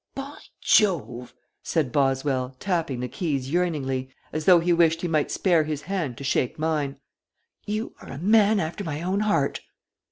"By Jove!" said Boswell, tapping the keys yearningly, as though he wished he might spare his hand to shake mine, "you are a man after my own heart."